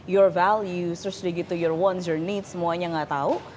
your values your wants your needs semuanya gak tahu